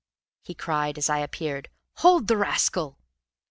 he cried, as I appeared. "Hold the rascal!"